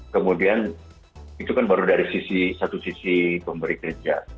kemudian itu kan baru dari satu sisi pemberitaan